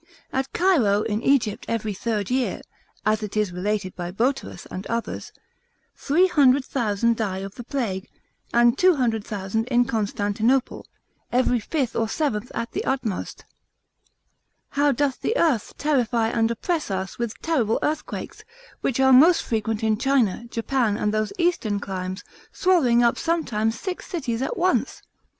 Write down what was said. At Cairo in Egypt, every third year, (as it is related by Boterus, and others) 300,000 die of the plague; and 200,000, in Constantinople, every fifth or seventh at the utmost. How doth the earth terrify and oppress us with terrible earthquakes, which are most frequent in China, Japan, and those eastern climes, swallowing up sometimes six cities at once?